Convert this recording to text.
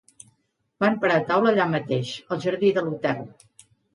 Van parar taula allà mateix, al jardí de l'hotel.